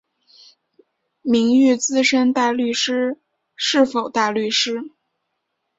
名誉资深大律师是否大律师？